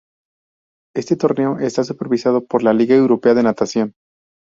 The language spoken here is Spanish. Este torneo está supervisado por la Liga Europea de Natación.